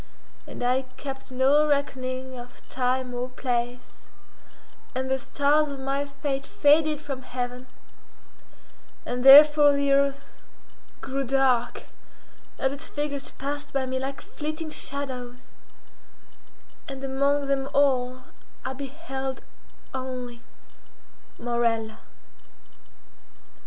And I kept no reckoning of time or place, and the stars of my fate faded from heaven, and therefore the earth grew dark, and its figures passed by me like flitting shadows, and among them all I beheld only—Morella.